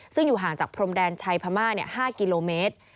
ซึ่งอยู่ห่างจากพรมแดนชัยพม่า๕กิโลเมตร